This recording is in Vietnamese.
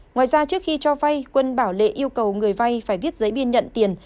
ngoài ra trước khi cho vai quân bảo lệ yêu cầu người vai phải viết giấy biên nhận tiền